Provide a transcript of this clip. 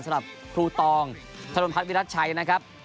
สำหรับภูตองธรรมพัฒน์วิรัชชัยนะครับ